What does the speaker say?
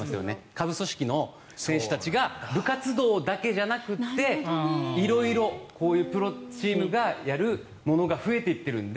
下部組織の選手たちが部活動だけじゃなくて色々とプロチームがやるものが増えていってるので。